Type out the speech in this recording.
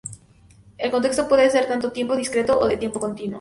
El contexto puede ser tanto tiempo discreto o de tiempo continuo.